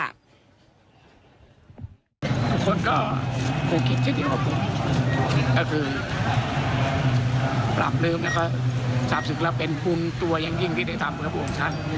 ทุกคนก็คงคิดที่เดียวกับผมนั่นคือปรับลืมนะคะสาปสึกแล้วเป็นภูมิตัวยังยิ่งที่ได้ทำกับผมของท่าน